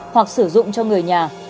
hoặc sử dụng cho người nhà